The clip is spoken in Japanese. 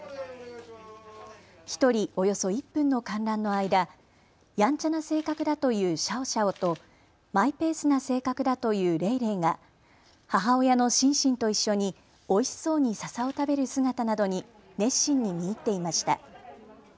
１人およそ１分の観覧の間、やんちゃな性格だというシャオシャオとマイペースな性格だというレイレイが母親のシンシンと一緒においしそうにささを食べる姿などに熱心に見入っていました。